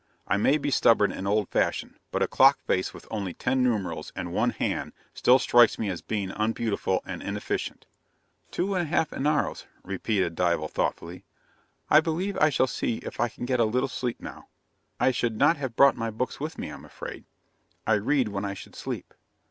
I may be stubborn and old fashioned, but a clock face with only ten numerals and one hand still strikes me as being unbeautiful and inefficient. "Two and a half enaros," repeated Dival thoughtfully. "I believe I shall see if I can get a little sleep now; I should not have brought my books with me, I'm afraid. I read when I should sleep.